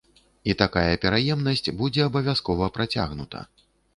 І такая пераемнасць будзе абавязкова працягнута.